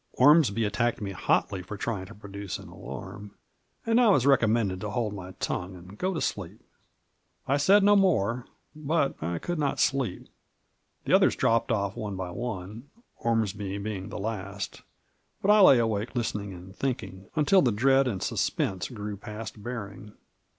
Ormsby attacked me hotly for trying to produce an alarm, and I was recommended to hold my tongue and go to sleep. I said no more, but I could not sleep; the others Digitized by VjOOQIC MABJORT. 105 dropped off one by one, Onnsby being the last, bnt I lay awake listening and thinking, until the dread and sus pense grew past bearing.